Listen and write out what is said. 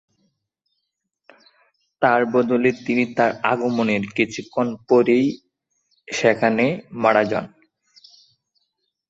তার বদলে, তিনি তার আগমনের কিছুক্ষণ পরেই সেখানে মারা যান।